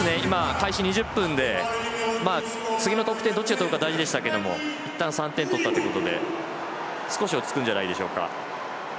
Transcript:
開始２０分で次の得点をどっちが取るか大事でしたけどいったん３点取ったことで少し落ち着くんじゃないでしょうか。